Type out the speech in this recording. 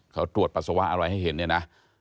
เขาตรวจปัสสาวะอะไรให้เห็นเนี่ยนะ